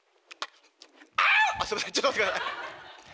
『あ！』あっすいませんちょっと待ってください。